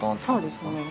そうですね。